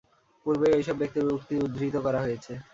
পূর্বেই ঐসব ব্যক্তির উক্তি উদ্ধৃত করা হয়েছে।